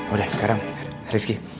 udah sekarang rizky